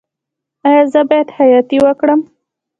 ایا زه باید خیاطۍ وکړم؟